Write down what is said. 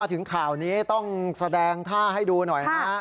ถึงข่าวนี้ต้องแสดงท่าให้ดูหน่อยนะฮะ